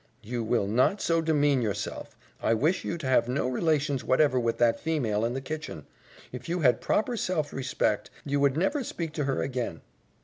"You will not so demean yourself. I wish you to have no relations whatever with that female in the kitchen. If you had proper self respect, you would never speak to her again."